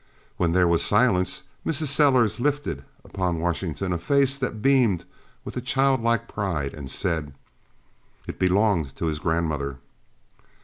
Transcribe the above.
When there was silence, Mrs Sellers lifted upon Washington a face that beamed with a childlike pride, and said: "It belonged to his grandmother."